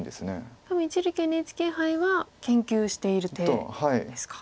多分一力ＮＨＫ杯は研究している手ですか。